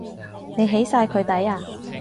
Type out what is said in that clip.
你起晒佢底呀？